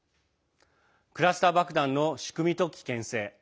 クラスター爆弾の仕組みと危険性